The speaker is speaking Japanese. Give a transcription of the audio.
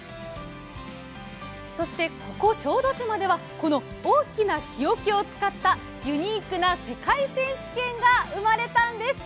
そして、ここ小豆島ではこの大きな木おけを使ったユニークな世界選手権が生まれたんです。